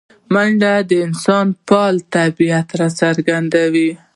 منډه د انسان فعاله طبیعت څرګندوي